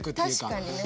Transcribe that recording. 確かにね。